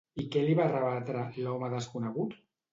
I què li va rebatre, l'home desconegut?